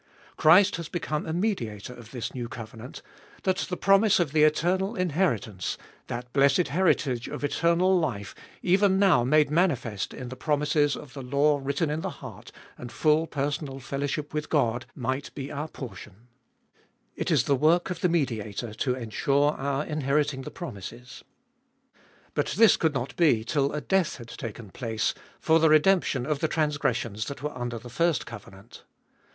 Christ has become a Mediator of this new covenant, that the promise of the eternal inheritance, that blessed heritage of eternal life even now made manifest in the promises of the law written in the heart and full personal fellowship with God, might be our portion ; it is the work of the Mediator to ensure our inheriting the promises. But this could not be till a death had taken place for the redemption of the transgressions that were under the first covenant.